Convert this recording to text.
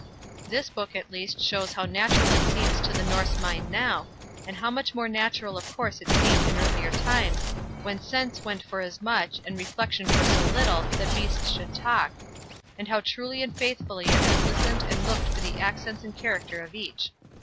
This book at least shows how natural it seems to the Norse mind now, and how much more natural of course it seemed in earlier times, when sense went for as much and reflection for so little, that beasts should talk; and how truly and faithfully it has listened and looked for the accents and character of each.